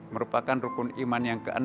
merupakan rukun iman yang ke enam